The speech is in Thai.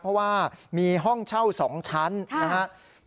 เพราะว่ามีห้องเช่า๒ชั้นนะครับ